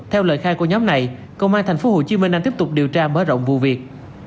theo lời khai của nhóm này công an tp hcm đang tiếp tục điều tra mở rộng vụ việc